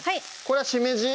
これはしめじ？